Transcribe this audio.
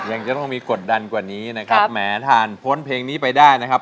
ยังจะต้องมีกดดันกว่านี้นะครับแหมทานพ้นเพลงนี้ไปได้นะครับ